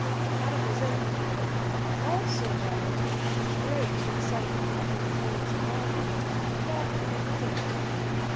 Mademoiselle Bourienne, also roused to great excitement by Anatole's arrival, thought in another way.